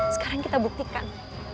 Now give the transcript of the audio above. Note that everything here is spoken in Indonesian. sekarang kita buktikan